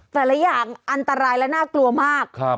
แต่ละอย่างอันตรายและน่ากลัวมาก